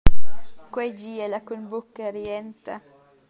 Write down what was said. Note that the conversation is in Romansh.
Quei gi ella cun bucca rienta.